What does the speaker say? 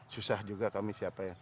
susah juga kami siapkan